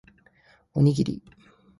おにぎり